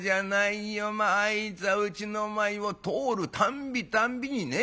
まああいつはうちの前を通るたんびたんびにね